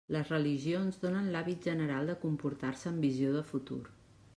Les religions donen l'hàbit general de comportar-se amb visió de futur.